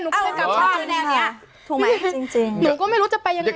หนูก็เป็นกำลังถูกไหมจริงจริงหนูก็ไม่รู้จะไปยังไงต่อ